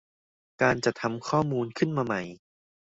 การจัดทำข้อมูลขึ้นมาใหม่